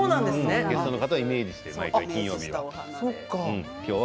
ゲストの方をイメージして毎週金曜日は。